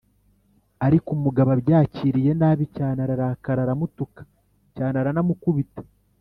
ariko umugabo abyakiriye nabi cyane, ararakara, aramutuka cyane aranamukubita.